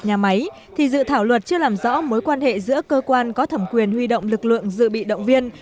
nhà máy thì dự thảo luật chưa làm rõ mối quan hệ giữa cơ quan có thẩm quyền huy động lực lượng dự bị động viên